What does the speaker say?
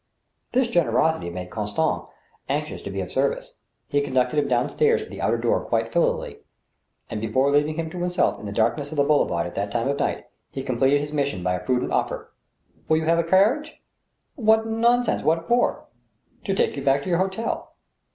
This generosity made Constant anxious to be of service. He conducted him down stairs to the outer door quite filially, and, be fore leaving him to himself in the darkness of the boulevard at that time of night, he completed his mission by a prudent offer. Will you have a carriage ?"" What nonsense ! What for ?" "To lake you back to your hotel."